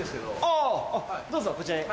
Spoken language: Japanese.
あぁどうぞこちらへ。